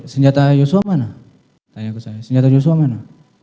senjata yosua mana tanya ke saya senjata joshua mana